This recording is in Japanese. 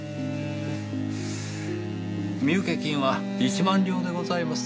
身請け金は一万両でございます。